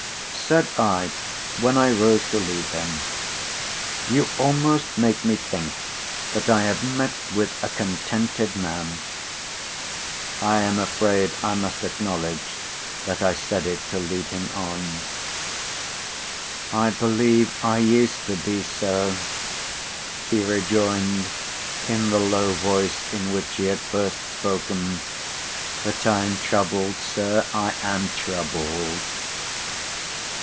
Said I when I rose to leave him: "You almost make me think that I have met with a contented man." (I am afraid I must acknowledge that I said it to lead him on). "I believe I used to be so," he rejoined, in the low voice in which he had first spoken; "but I am troubled, sir, I am troubled."